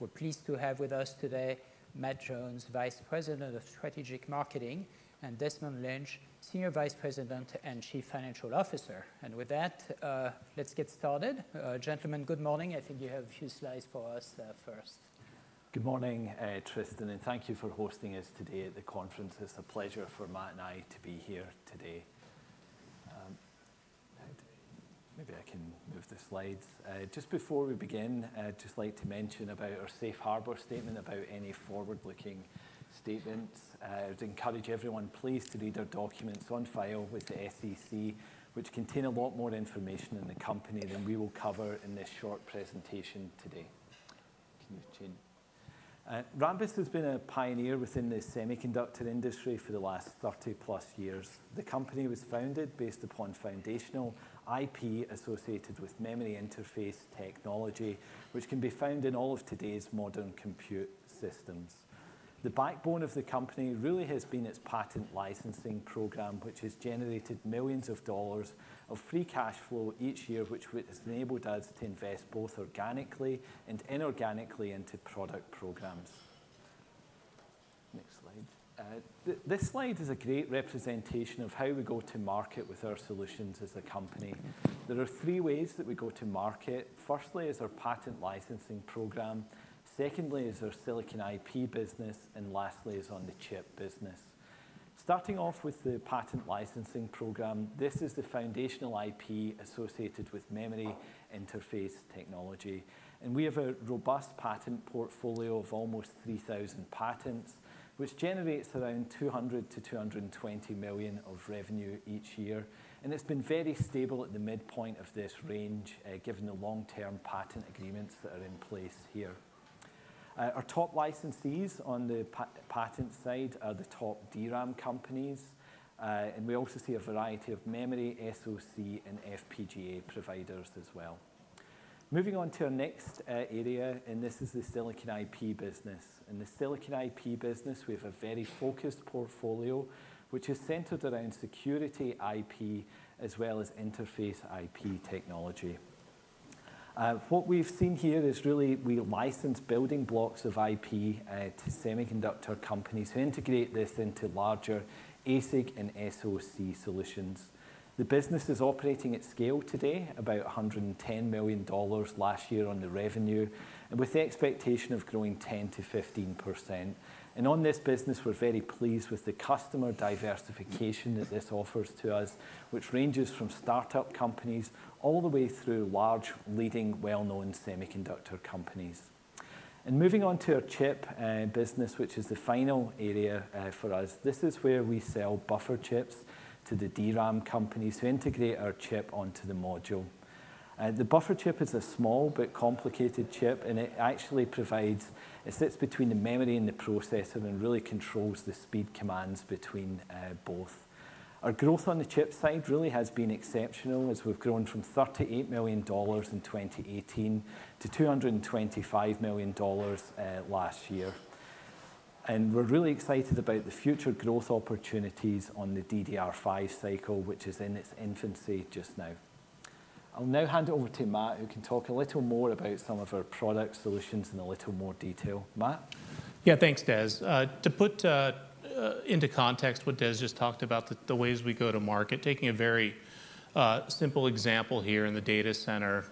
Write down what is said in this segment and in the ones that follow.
We're pleased to have with us today Matt Jones, Vice President of Strategic Marketing, and Desmond Lynch, Senior Vice President and Chief Financial Officer. And with that, let's get started. Gentlemen, good morning. I think you have a few slides for us, first. Good morning, Tristan, and thank you for hosting us today at the conference. It's a pleasure for Matt and I to be here today. Maybe I can move the slides. Just before we begin, I'd just like to mention about our safe harbor statement about any forward-looking statements. I would encourage everyone please to read our documents on file with the SEC, which contain a lot more information on the company than we will cover in this short presentation today. Rambus has been a pioneer within the semiconductor industry for the last 30-plus years. The company was founded based upon foundational IP associated with memory interface technology, which can be found in all of today's modern compute systems. The backbone of the company really has been its patent licensing program, which has generated millions of dollars of free cash flow each year, which has enabled us to invest both organically and inorganically into product programs. Next slide. This slide is a great representation of how we go to market with our solutions as a company. There are three ways that we go to market. Firstly, is our patent licensing program. Secondly, is our silicon IP business, and lastly, is on the chip business. Starting off with the patent licensing program, this is the foundational IP associated with memory interface technology, and we have a robust patent portfolio of almost 3,000 patents, which generates around $200 million-$220 million of revenue each year. It's been very stable at the midpoint of this range, given the long-term patent agreements that are in place here. Our top licensees on the patent side are the top DRAM companies, and we also see a variety of memory, SoC, and FPGA providers as well. Moving on to our next area, and this is the silicon IP business. In the silicon IP business, we have a very focused portfolio, which is centered around security IP as well as interface IP technology. What we've seen here is really we license building blocks of IP to semiconductor companies who integrate this into larger ASIC and SoC solutions. The business is operating at scale today, about $110 million last year on the revenue, and with the expectation of growing 10%-15%. On this business, we're very pleased with the customer diversification that this offers to us, which ranges from start-up companies all the way through large, leading, well-known semiconductor companies. Moving on to our chip business, which is the final area for us. This is where we sell buffer chips to the DRAM companies who integrate our chip onto the module. The buffer chip is a small but complicated chip, and it actually provides. It sits between the memory and the processor and really controls the speed commands between both. Our growth on the chip side really has been exceptional, as we've grown from $38 million in 2018 to $225 million last year. We're really excited about the future growth opportunities on the DDR5 cycle, which is in its infancy just now. I'll now hand it over to Matt, who can talk a little more about some of our product solutions in a little more detail. Matt? Yeah, thanks, Des. To put into context what Des just talked about, the ways we go to market, taking a very simple example here in the data center.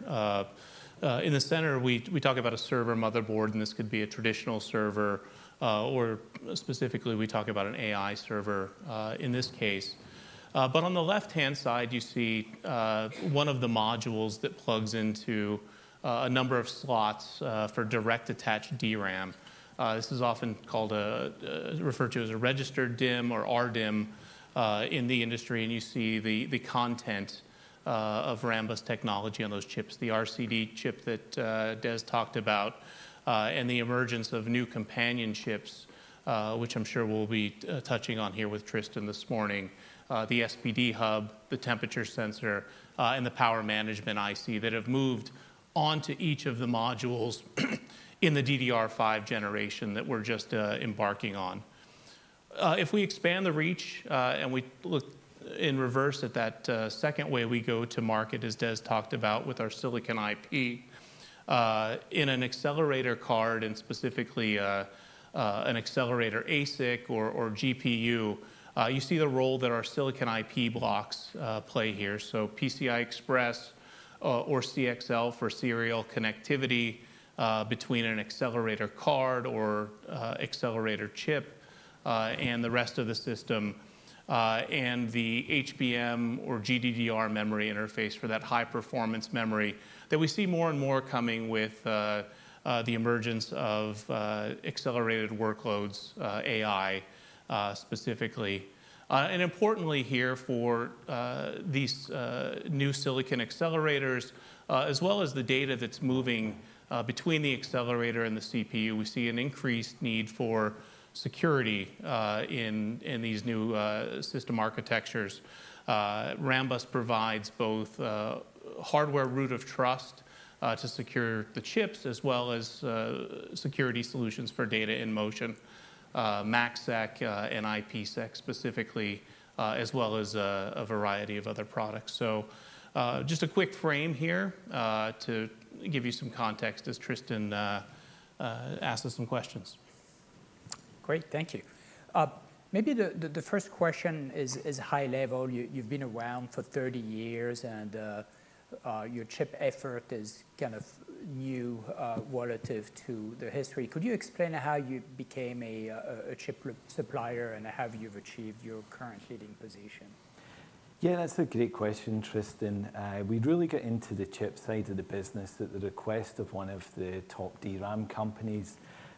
In the center, we talk about a server motherboard, and this could be a traditional server, or specifically, we talk about an AI server, in this case. But on the left-hand side, you see one of the modules that plugs into a number of slots for direct attached DRAM. This is often called a referred to as a registered DIMM or RDIMM in the industry, and you see the content of Rambus technology on those chips, the RCD chip that Des talked about, and the emergence of new companion chips, which I'm sure we'll be touching on here with Tristan this morning. The SPD hub, the temperature sensor, and the power management IC that have moved on to each of the modules in the DDR5 generation that we're just embarking on. If we expand the reach, and we look in reverse at that, second way we go to market, as Des talked about with our silicon IP, in an accelerator card and specifically, an accelerator ASIC or GPU, you see the role that our silicon IP blocks play here. So PCI Express, or CXL for serial connectivity, between an accelerator card or accelerator chip, and the rest of the system, and the HBM or GDDR memory interface for that high-performance memory that we see more and more coming with, the emergence of, accelerated workloads, AI, specifically. And importantly here for these new silicon accelerators, as well as the data that's moving between the accelerator and the CPU, we see an increased need for security in these new system architectures. Rambus provides both hardware root of trust to secure the chips, as well as security solutions for data in motion, MACsec and IPsec specifically, as well as a variety of other products. So just a quick frame here to give you some context as Tristan asks us some questions. Great, thank you. Maybe the first question is high level. You've been around for 30 years, and your chip effort is kind of new relative to the history. Could you explain how you became a chip supplier and how you've achieved your current leading position? Yeah, that's a great question, Tristan. We really got into the chip side of the business at the request of one of the top DRAM companies,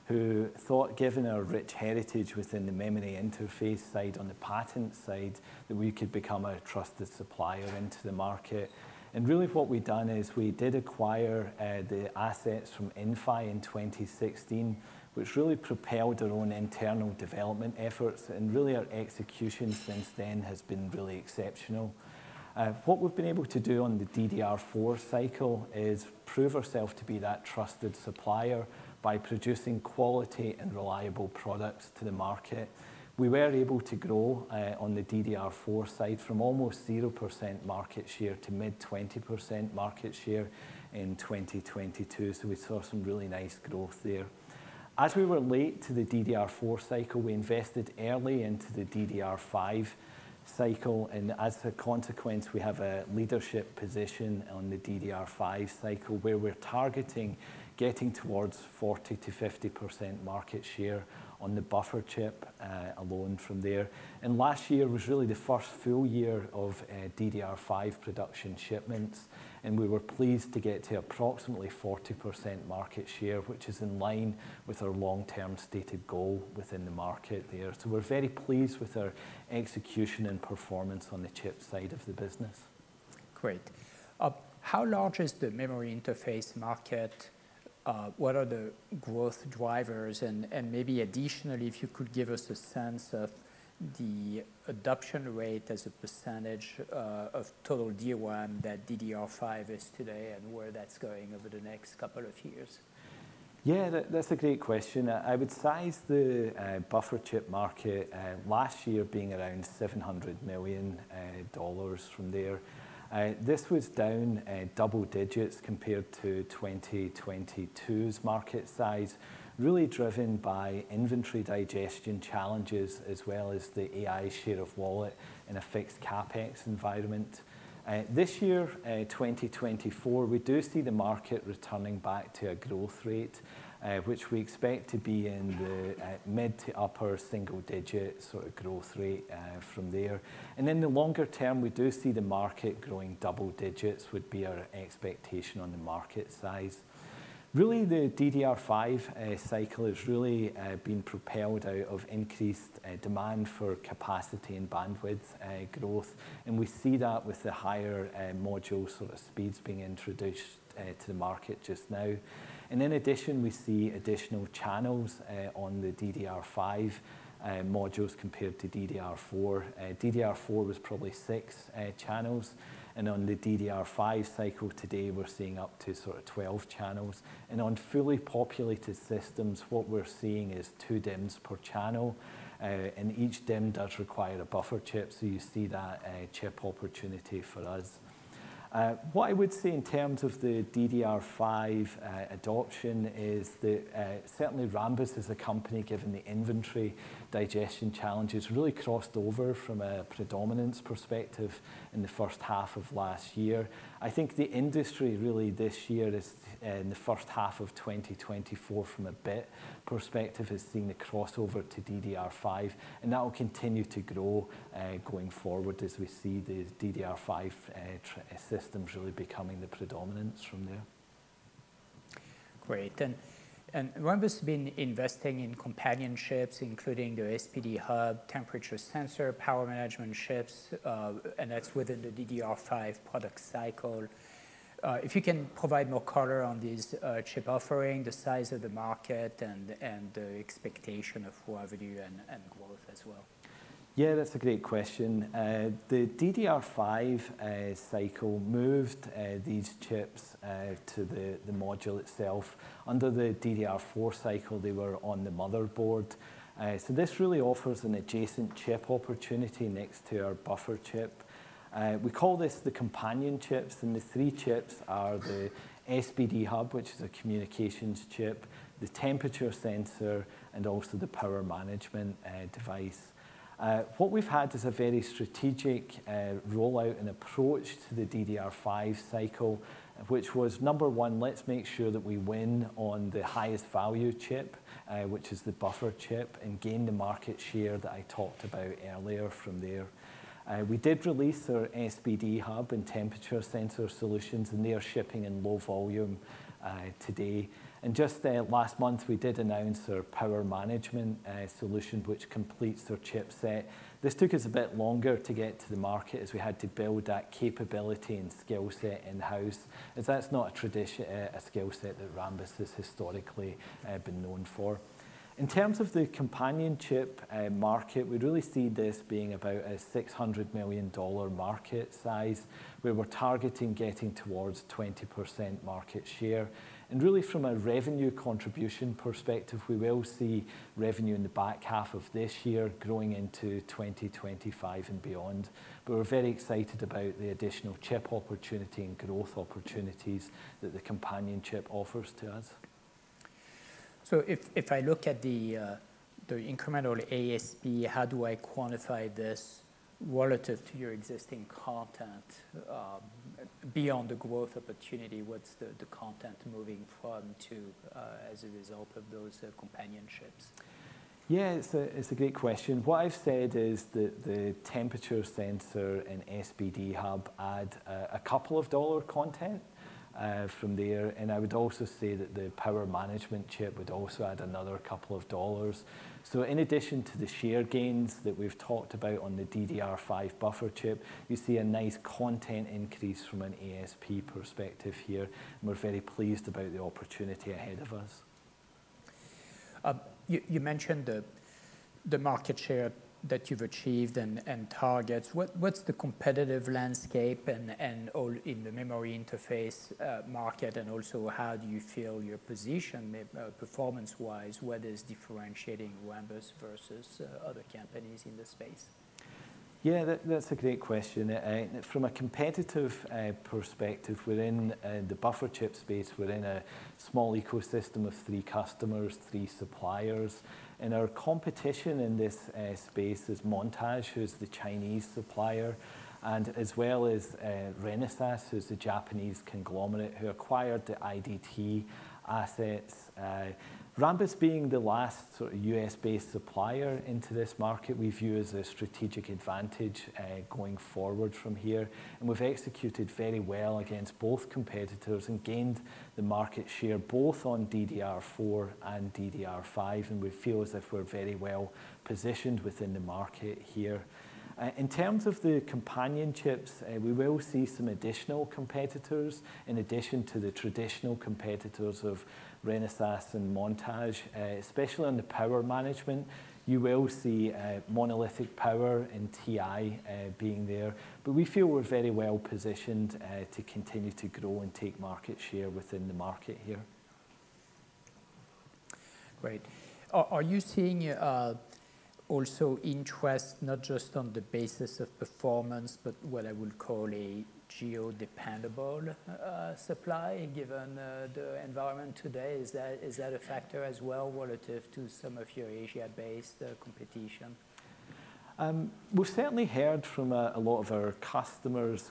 who thought, given our rich heritage within the memory interface side on the patent side, that we could become a trusted supplier into the market. And really, what we've done is we did acquire the assets from Inphi in 2016, which really propelled our own internal development efforts, and really our execution since then has been really exceptional. What we've been able to do on the DDR4 cycle is prove ourself to be that trusted supplier by producing quality and reliable products to the market. We were able to grow on the DDR4 side from almost 0% market share to mid-20% market share in 2022, so we saw some really nice growth there. As we were late to the DDR4 cycle, we invested early into the DDR5 cycle, and as a consequence, we have a leadership position on the DDR5 cycle, where we're targeting getting towards 40%-50% market share on the buffer chip alone from there. And last year was really the first full year of DDR5 production shipments, and we were pleased to get to approximately 40% market share, which is in line with our long-term stated goal within the market there. So we're very pleased with our execution and performance on the chip side of the business. Great. How large is the memory interface market? What are the growth drivers? And, and maybe additionally, if you could give us a sense of the adoption rate as a percentage of total DRAM that DDR5 is today and where that's going over the next couple of years. Yeah, that, that's a great question. I would size the buffer chip market last year being around $700 million from there. This was down double digits compared to 2022's market size, really driven by inventory digestion challenges, as well as the AI share of wallet in a fixed CapEx environment. This year, 2024, we do see the market returning back to a growth rate, which we expect to be in the mid to upper single digits sort of growth rate from there. And in the longer term, we do see the market growing double digits, would be our expectation on the market size. Really, the DDR5 cycle has really been propelled out of increased demand for capacity and bandwidth growth, and we see that with the higher module sort of speeds being introduced to the market just now. And in addition, we see additional channels on the DDR5 modules compared to DDR4. DDR4 was probably 6 channels, and on the DDR5 cycle today, we're seeing up to sort of 12 channels. And on fully populated systems, what we're seeing is 2 DIMMs per channel, and each DIMM does require a buffer chip, so you see that chip opportunity for us. What I would say in terms of the DDR5 adoption is that, certainly Rambus as a company, given the inventory digestion challenges, really crossed over from a predominance perspective in the first half of last year. I think the industry really this year is, in the first half of 2024, from a bit perspective, has seen the crossover to DDR5, and that will continue to grow going forward as we see the DDR5 systems really becoming the predominance from there. Great, Rambus has been investing in companion chips, including the SPD hub, temperature sensor, power management chips, and that's within the DDR5 product cycle. If you can provide more color on these chip offering, the size of the market and the expectation of revenue and growth as well. Yeah, that's a great question. The DDR5 cycle moved these chips to the module itself. Under the DDR4 cycle, they were on the motherboard. So this really offers an adjacent chip opportunity next to our buffer chip. We call this the companion chips, and the three chips are the SPD hub, which is a communications chip, the temperature sensor, and also the power management device. What we've had is a very strategic rollout and approach to the DDR5 cycle, which was, number one, let's make sure that we win on the highest value chip, which is the buffer chip, and gain the market share that I talked about earlier from there. We did release our SPD hub and temperature sensor solutions, and they are shipping in low volume today. Just last month, we did announce our power management solution, which completes our chipset. This took us a bit longer to get to the market, as we had to build that capability and skill set in-house, as that's not a traditional skill set that Rambus has historically been known for. In terms of the companion chip market, we really see this being about a $600 million market size, where we're targeting getting towards 20% market share. And really, from a revenue contribution perspective, we will see revenue in the back half of this year growing into 2025 and beyond. We're very excited about the additional chip opportunity and growth opportunities that the companion chip offers to us. So if I look at the incremental ASP, how do I quantify this relative to your existing content, beyond the growth opportunity, what's the content moving from to, as a result of those companion chips? Yeah, it's a great question. What I've said is that the temperature sensor and SPD hub add a couple of dollar content from there, and I would also say that the power management chip would also add another couple of dollars. So in addition to the share gains that we've talked about on the DDR5 buffer chip, you see a nice content increase from an ASP perspective here, and we're very pleased about the opportunity ahead of us. You mentioned the market share that you've achieved and targets. What's the competitive landscape and all in the memory interface market, and also how do you feel your position may performance-wise, what is differentiating Rambus versus other companies in this space? Yeah, that's a great question. From a competitive perspective, within the buffer chip space, we're in a small ecosystem of three customers, three suppliers, and our competition in this space is Montage, who's the Chinese supplier, and as well as Renesas, who's the Japanese conglomerate who acquired the IDT assets. Rambus being the last sort of U.S.-based supplier into this market, we view as a strategic advantage, going forward from here. And we've executed very well against both competitors and gained the market share, both on DDR4 and DDR5, and we feel as if we're very well positioned within the market here. In terms of the companion chips, we will see some additional competitors in addition to the traditional competitors of Renesas and Montage, especially on the power management. You will see, Monolithic Power and TI, being there, but we feel we're very well positioned, to continue to grow and take market share within the market here. Great. Are you seeing also interest not just on the basis of performance, but what I would call a geo-dependable supply, given the environment today? Is that a factor as well relative to some of your Asia-based competition? We've certainly heard from a lot of our customers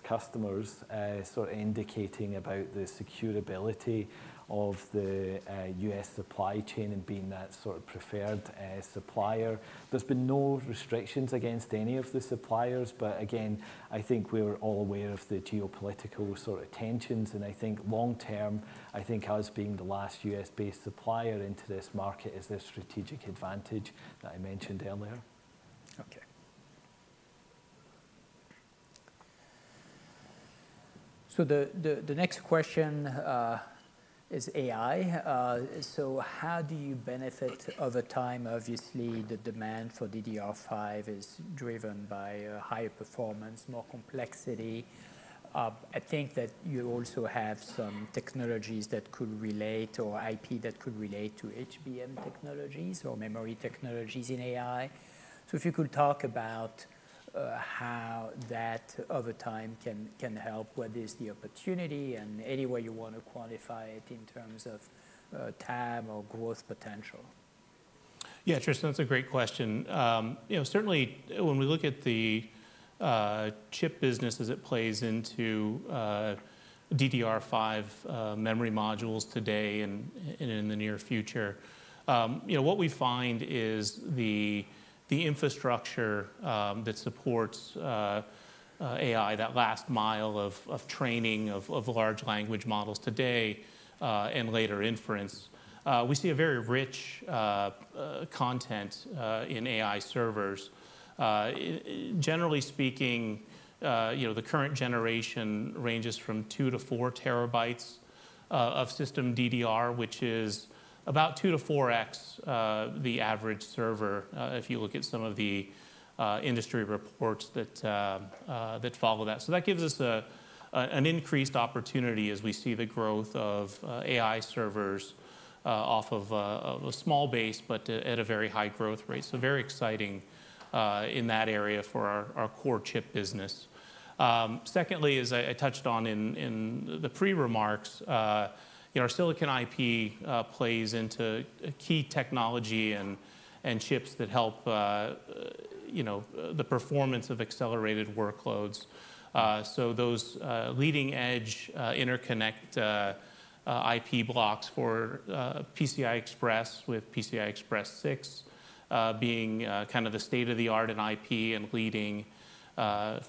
sort of indicating about the security of the U.S. supply chain and being that sort of preferred supplier. There's been no restrictions against any of the suppliers, but again, I think we're all aware of the geopolitical sort of tensions. I think long term, us being the last U.S.-based supplier into this market is the strategic advantage that I mentioned earlier. Okay. So the next question is AI. So how do you benefit over time? Obviously, the demand for DDR5 is driven by higher performance, more complexity. I think that you also have some technologies that could relate, or IP that could relate to HBM technologies or memory technologies in AI. So if you could talk about how that over time can help, what is the opportunity, and any way you want to quantify it in terms of TAM or growth potential? Yeah, Tristan, that's a great question. You know, certainly when we look at the chip business as it plays into DDR5 memory modules today and in the near future, you know, what we find is the infrastructure that supports AI, that last mile of training of large language models today and later inference, we see a very rich content in AI servers. Generally speaking, you know, the current generation ranges from 2-4 TB of system DDR, which is about 2-4x the average server if you look at some of the industry reports that follow that. So that gives us an increased opportunity as we see the growth of AI servers off of a small base, but at a very high growth rate. So very exciting in that area for our core chip business. Secondly, as I touched on in the pre-remarks, you know, our silicon IP plays into key technology and chips that help you know the performance of accelerated workloads. So those leading-edge interconnect IP blocks for PCI Express with PCI Express 6 being kind of the state-of-the-art in IP and leading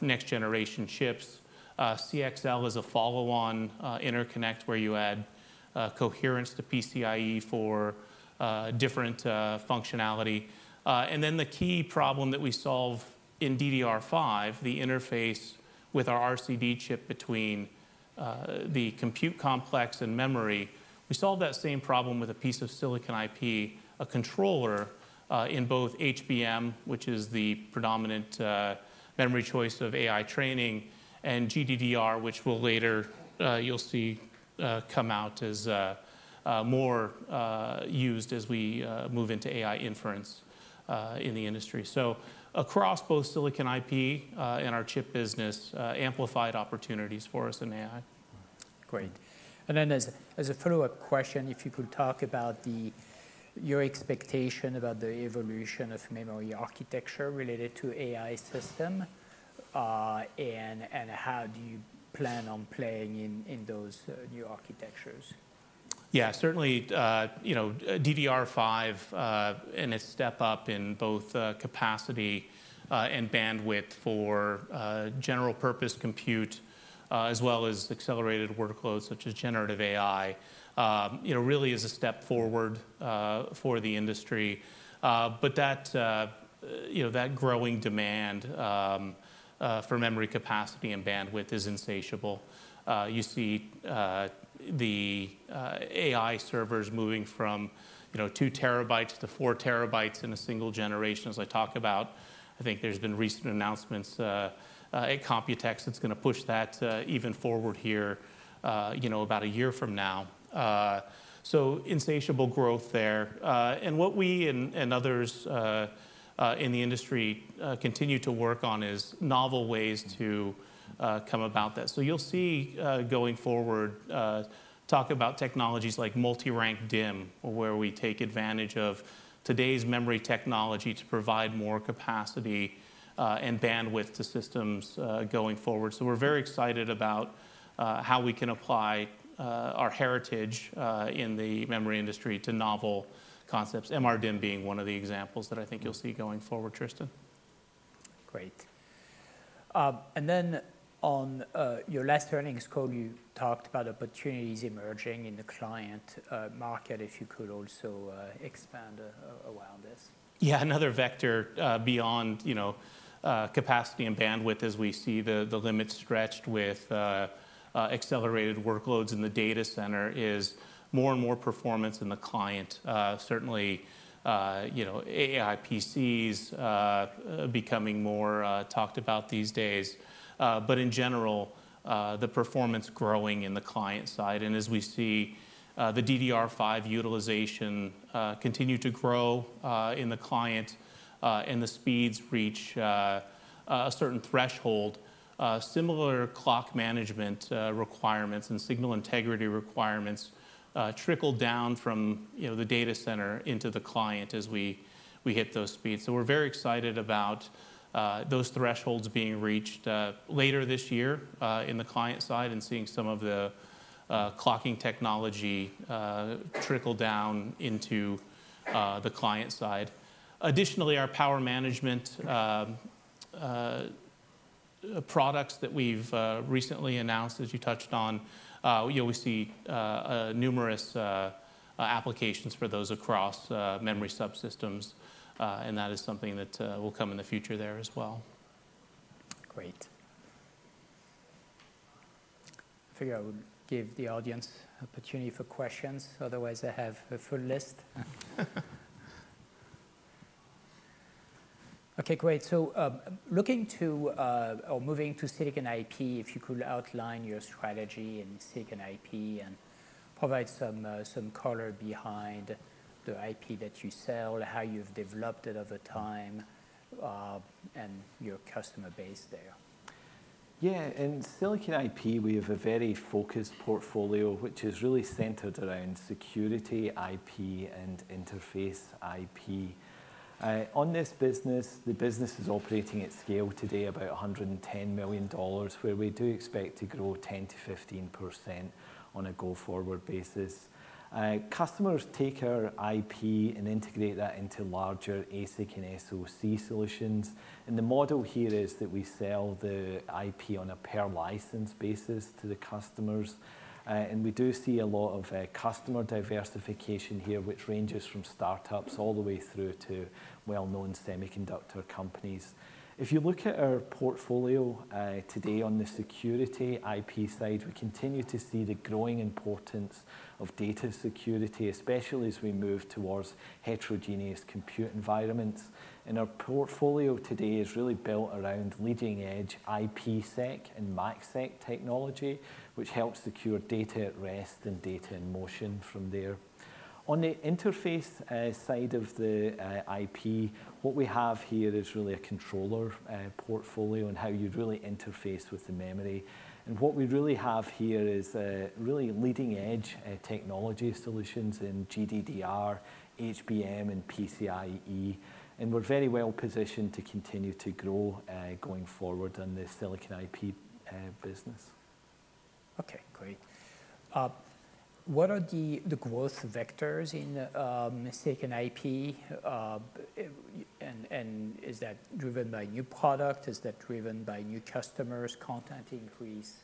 next-generation chips. CXL is a follow-on interconnect, where you add coherence to PCIe for different functionality. And then the key problem that we solve in DDR5, the interface with our RCD chip between the compute complex and memory, we solve that same problem with a piece of silicon IP, a controller, in both HBM, which is the predominant memory choice of AI training, and GDDR, which will later you'll see come out as more used as we move into AI inference in the industry. So across both silicon IP and our chip business, amplified opportunities for us in AI. Great. And then, as a follow-up question, if you could talk about your expectation about the evolution of memory architecture related to AI system, and how do you plan on playing in those new architectures? Yeah, certainly, you know, DDR5, and a step up in both, capacity, and bandwidth for, general purpose compute, as well as accelerated workloads such as generative AI, you know, really is a step forward, for the industry. But that, you know, that growing demand, for memory capacity and bandwidth is insatiable. You see, the, AI servers moving from, you know, 2 terabytes to 4 terabytes in a single generation, as I talk about. I think there's been recent announcements, at Computex that's gonna push that, even forward here, you know, about a year from now. So insatiable growth there. And what we and, and others, in the industry, continue to work on is novel ways to, come about that. So you'll see, going forward, talk about technologies like multi-rank DIMM, where we take advantage of today's memory technology to provide more capacity, and bandwidth to systems, going forward. So we're very excited about, how we can apply, our heritage, in the memory industry to novel concepts, MRDIMM being one of the examples that I think you'll see going forward, Tristan. Great. And then on your last earnings call, you talked about opportunities emerging in the client market, if you could also expand around this? Yeah. Another vector beyond, you know, capacity and bandwidth as we see the limits stretched with accelerated workloads in the data center is more and more performance in the client. Certainly, you know, AI PCs becoming more talked about these days. But in general, the performance growing in the client side. And as we see the DDR5 utilization continue to grow in the client and the speeds reach a certain threshold, similar clock management requirements and signal integrity requirements trickle down from, you know, the data center into the client as we hit those speeds. So we're very excited about those thresholds being reached later this year in the client side and seeing some of the clocking technology trickle down into the client side. Additionally, our power management products that we've recently announced, as you touched on, you know, we see numerous applications for those across memory subsystems, and that is something that will come in the future there as well. Great. I figure I would give the audience opportunity for questions; otherwise, I have a full list. Okay, great. So, looking to, or moving to Silicon IP, if you could outline your strategy in Silicon IP and provide some, some color behind the IP that you sell, how you've developed it over time, and your customer base there. Yeah. In Silicon IP, we have a very focused portfolio, which is really centered around security IP and interface IP. On this business, the business is operating at scale today about $110 million, where we do expect to grow 10%-15% on a go-forward basis. Customers take our IP and integrate that into larger ASIC and SoC solutions, and the model here is that we sell the IP on a per-license basis to the customers. We do see a lot of customer diversification here, which ranges from start-ups all the way through to well-known semiconductor companies. If you look at our portfolio, today on the security IP side, we continue to see the growing importance of data security, especially as we move towards heterogeneous compute environments. Our portfolio today is really built around leading-edge IPsec and MACsec technology, which helps secure data at rest and data in motion from there. On the interface side of the IP, what we have here is really a controller portfolio and how you'd really interface with the memory. What we really have here is really leading-edge technology solutions in GDDR, HBM, and PCIe, and we're very well positioned to continue to grow going forward in the Silicon IP business. Okay, great. What are the growth vectors in Silicon IP? And is that driven by new product? Is that driven by new customers, content increase?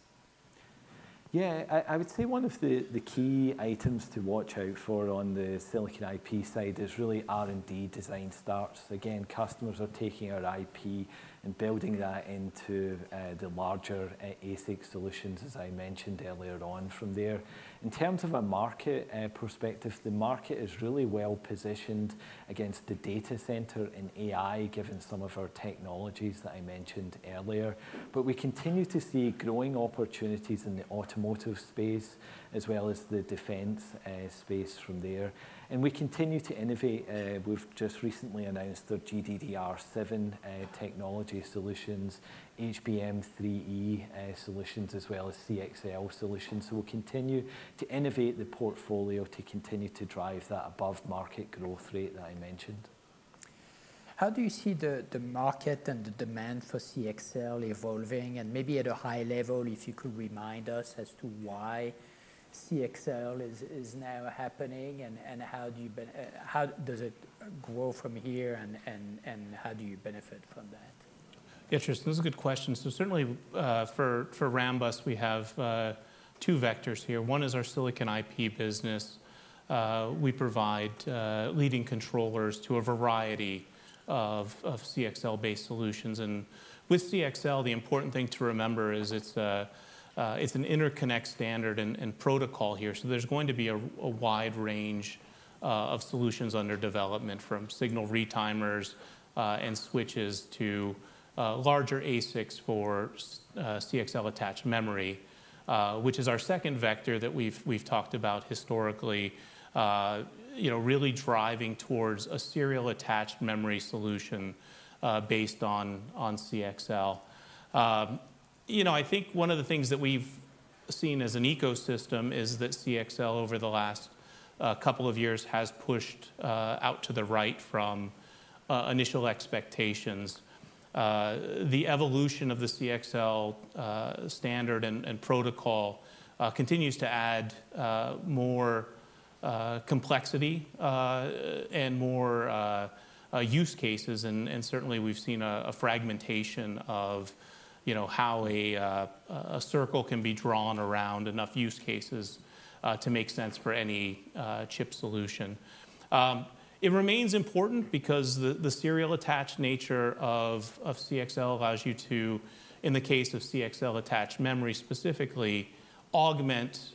Yeah, I would say one of the key items to watch out for on the Silicon IP side is really R&D design starts. Again, customers are taking our IP and building that into the larger ASIC solutions, as I mentioned earlier on from there. In terms of a market perspective, the market is really well positioned against the data center and AI, given some of our technologies that I mentioned earlier. But we continue to see growing opportunities in the automotive space as well as the defense space from there. And we continue to innovate. We've just recently announced the GDDR7 technology solutions, HBM3E solutions, as well as CXL solutions. So we'll continue to innovate the portfolio to continue to drive that above-market growth rate that I mentioned. How do you see the market and the demand for CXL evolving? And maybe at a high level, if you could remind us as to why CXL is now happening and how does it grow from here, and how do you benefit from that? Yeah, sure. So that's a good question. So certainly, for Rambus, we have two vectors here. One is our silicon IP business. We provide leading controllers to a variety of CXL-based solutions. And with CXL, the important thing to remember is it's an interconnect standard and protocol here, so there's going to be a wide range of solutions under development, from signal retimers and switches to larger ASICs for CXL-attached memory, which is our second vector that we've talked about historically. You know, really driving towards a serial-attached memory solution based on CXL. You know, I think one of the things that we've seen as an ecosystem is that CXL, over the last couple of years, has pushed out to the right from initial expectations. The evolution of the CXL standard and protocol continues to add more use cases. Certainly, we've seen a fragmentation of, you know, how a circle can be drawn around enough use cases to make sense for any chip solution. It remains important because the serial-attached nature of CXL allows you to, in the case of CXL-attached memory, specifically, augment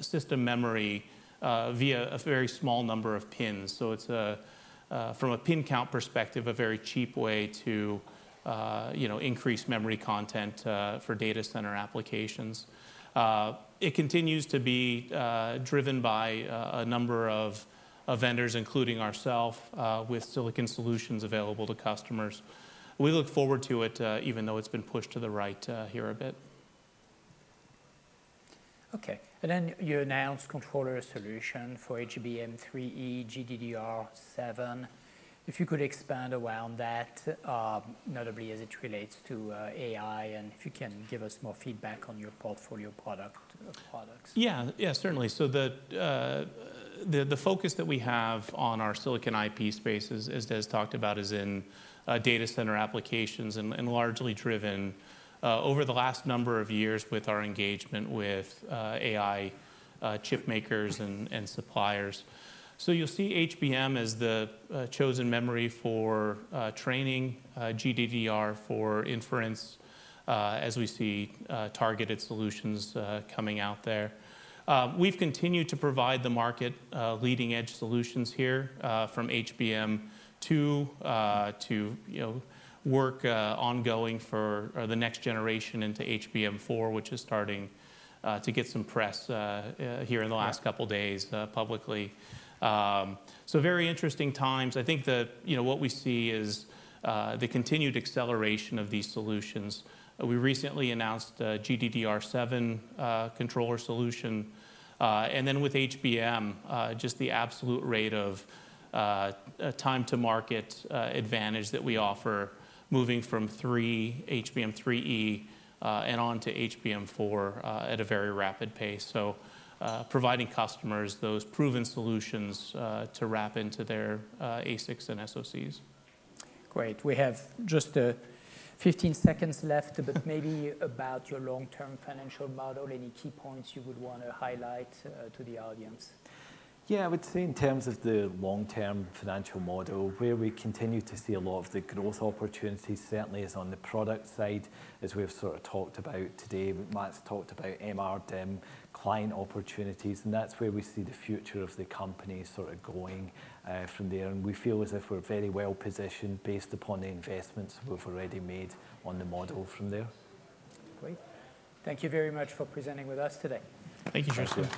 system memory via a very small number of pins. So it's a, from a pin count perspective, a very cheap way to, you know, increase memory content for data center applications. It continues to be driven by a number of vendors, including ourself, with silicon solutions available to customers. We look forward to it, even though it's been pushed to the right, here a bit. Okay, and then you announced controller solution for HBM3E GDDR7. If you could expand around that, notably as it relates to AI, and if you can give us more feedback on your portfolio product, products. Yeah, yeah, certainly. So the focus that we have on our silicon IP spaces, as Des talked about, is in data center applications and largely driven over the last number of years with our engagement with AI chip makers and suppliers. So you'll see HBM as the chosen memory for training, GDDR for inference, as we see targeted solutions coming out there. We've continued to provide the market leading-edge solutions here from HBM2 to, you know, work ongoing for the next generation into HBM4, which is starting to get some press here in the last couple of days publicly. So very interesting times. I think that, you know, what we see is the continued acceleration of these solutions. We recently announced a GDDR7 controller solution. And then with HBM, just the absolute rate of time to market advantage that we offer, moving from 3, HBM3E, and on to HBM4, at a very rapid pace. So, providing customers those proven solutions to wrap into their ASICs and SoCs. Great. We have just 15 seconds left, but maybe about your long-term financial model, any key points you would wanna highlight to the audience? Yeah, I would say in terms of the long-term financial model, where we continue to see a lot of the growth opportunities, certainly is on the product side, as we've sort of talked about today. Matt's talked about MRDIMM-like opportunities, and that's where we see the future of the company sort of going, from there. And we feel as if we're very well positioned based upon the investments we've already made on the model from there. Great. Thank you very much for presenting with us today. Thank you, Tristan.